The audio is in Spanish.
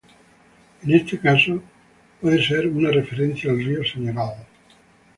En este caso, puede ser una referencia al río Senegal.